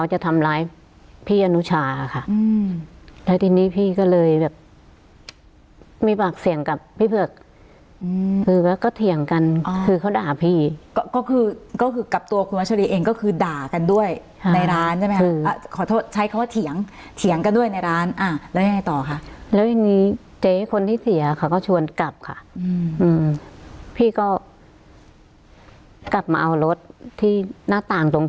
จะมีปากเสี่ยงกับพี่เผือกอืมแล้วก็เถียงกันอ๋อคือเขาด่าพี่ก็คือก็คือกลับตัวคุณมัชรีเองก็คือด่ากันด้วยฮะในร้านใช่ไหมคะอ่ะขอโทษใช้เขาว่าเถียงเถียงกันด้วยในร้านอ่ะแล้วยังไงต่อค่ะแล้วยังงี้เจ๊คนที่เสียเขาก็ชวนกลับค่ะอืมพี่ก็กลับมาเอารถที่หน้าต่างตรงท